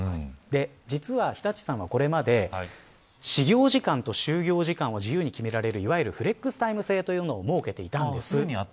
実は日立さんはこれまで始業時間と終業時間を自由に決められるいわゆるフレックスタイム制というのをもうけていたんです。